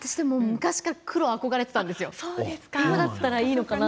昔から黒に憧れていたんですよ。